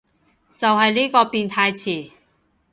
就係呢個變態詞